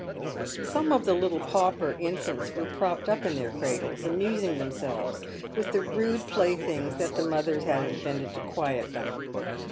Some of the little pauper infants were propped up in their cradles, amusing themselves with the rude playthings that the mothers had invented to quiet them.